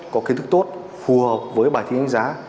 có kinh tức tốt phù hợp với bài thi đánh giá